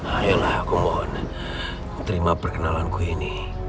ayolah aku mohon terima perkenalanku ini